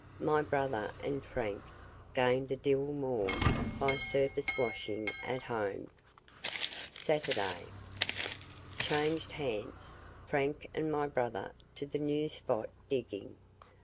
My brother and Frank gained a deal more by surface washing at home. SATURDAY. Changed hands. Frank and my brother to the new spot, digging.